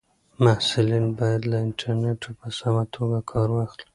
محصلین باید له انټرنیټه په سمه توګه کار واخلي.